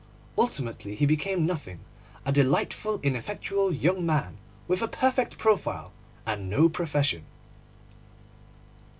Ultimately he became nothing, a delightful, ineffectual young man with a perfect profile and no profession.